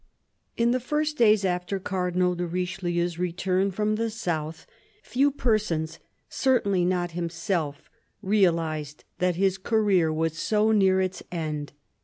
IN the first days after Cardinal de Richelieu's return from the south, few persons, certainly not himself, realized that his career was so near its end.